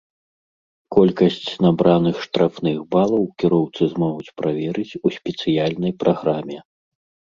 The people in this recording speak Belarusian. Колькасць набраных штрафных балаў кіроўцы змогуць праверыць у спецыяльнай праграме.